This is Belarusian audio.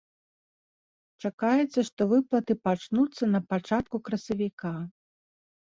Чакаецца, што выплаты пачнуцца на пачатку красавіка.